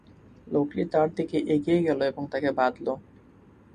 লোকটি তার দিকে এগিয়ে গেল এবং তাকে বাঁধল।